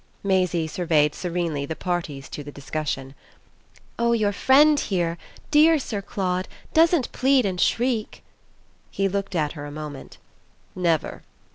Maisie surveyed serenely the parties to the discussion. "Oh your friend here, dear Sir Claude, doesn't plead and shriek!" He looked at her a moment. "Never.